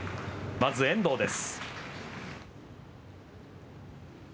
まず遠藤です。